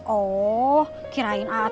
oh kirain aat belum tahu